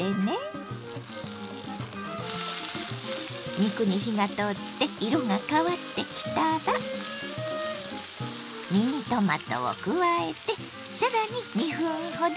肉に火が通って色が変わってきたらミニトマトを加えて更に２分ほど炒めます。